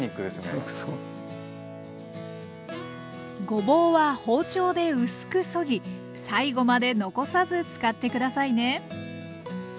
ごぼうは包丁で薄くそぎ最後まで残さず使って下さいね。